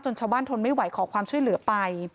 ชาวบ้านทนไม่ไหวขอความช่วยเหลือไป